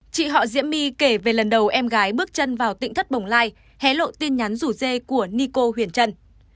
chị họ diễm my kể về lần đầu em gái bước chân vào tỉnh thất bồng lai hé lộ tin nhắn rủ dê của nico huyền trân